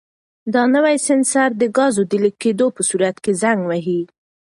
دا نوی سینسر د ګازو د لیک کېدو په صورت کې زنګ وهي.